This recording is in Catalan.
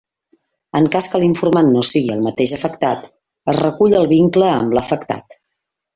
En cas que l'informant no sigui el mateix afectat, es recull el vincle amb l'afectat.